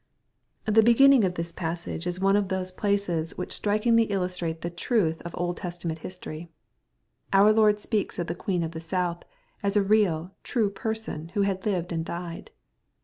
The beginm'ng of this passage is one of those places MATTHEW, CHAP. XII. 135 which strikinglj illustrate the truth of Old Testament History. Our Lord speaks of the queen of the South, as a real, true person, who had lived and died.